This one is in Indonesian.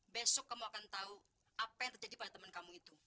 besok kamu akan tahu apa yang terjadi pada teman kamu itu